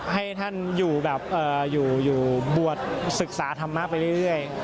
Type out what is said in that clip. ให้ท่านอยู่บวชศึกษาธรรมะไปเรื่อย